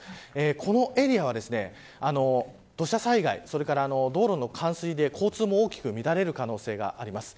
このエリアは土砂災害それから道路の冠水で交通も大きく乱れる可能性があります。